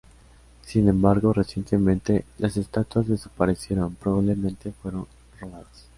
Sin embargo recientemente las estatuas desaparecieron; probablemente fueron robadas.